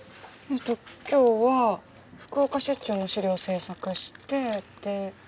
えっと今日は福岡出張の資料を制作してで。